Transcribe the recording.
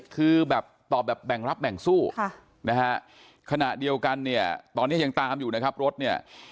คือแบบตอบแบบแบ่งรับแบ่งสู้นะฮะขณะเดียวกันเนี่ยตอนนี้ยังตามอยู่นะครับรถเนี่ย